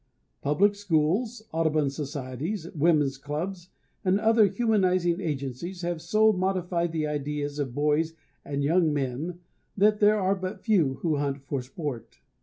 Public schools, Audubon societies, women's clubs, and other humanizing agencies have so modified the ideas of boys and young men that there are but few who hunt for sport.